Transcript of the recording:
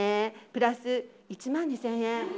プラス１万２０００円。